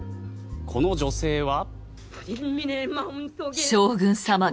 この女性は。